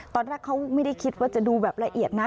ตอนแรกเขาไม่ได้คิดว่าจะดูแบบละเอียดนะ